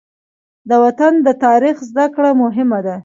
د وطن د تاریخ زده کړه مهمه ده.